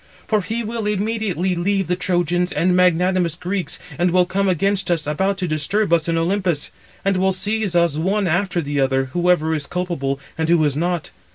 For he will immediately leave the Trojans and magnanimous Greeks, and will come against us, about to disturb us in Olympus; and will seize us one after the other, whoever is culpable and who is not.